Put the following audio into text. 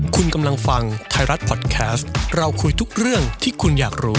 คุณกำลังฟังไทยรัฐพอดแคสต์เราคุยทุกเรื่องที่คุณอยากรู้